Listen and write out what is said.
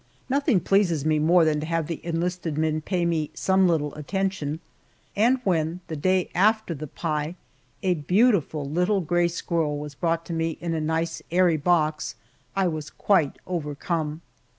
Nothing pleases me more than to have the enlisted men pay me some little attention, and when the day after the pie a beautiful little gray squirrel was brought to me in a nice airy box, I was quite overcome.